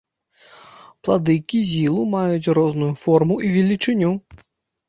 Плады кізілу маюць розную форму і велічыню.